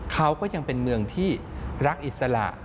เขาก็ยังเป็นเมืองที่รักอิสระ